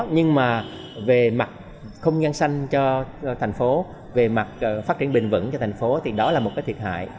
nhưng mà về mặt không gian xanh cho thành phố về mặt phát triển bình vẩn cho thành phố thì đó là một cái thiệt hại